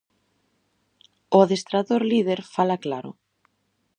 O adestrador líder fala claro.